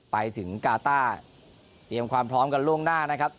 ไปถึงกาต้าเตรียมความพร้อมกันล่วงหน้านะครับ